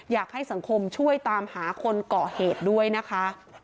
อยากให้สังคมช่วยตามหาคนก่อเหตุด้วยนะคะ